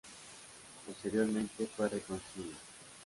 Posteriormente fue reconstruida.